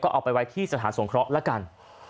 เอาไปไว้ที่สถานสงเคราะห์ละกัน